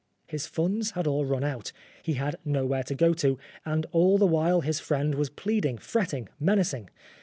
His funds had all run out, he had nowhere to go to, and all the while his friend was plead ing, fretting, menacing.